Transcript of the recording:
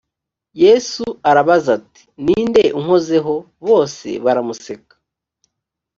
yesu arabaza ati ni nde unkozeho bose baramuseka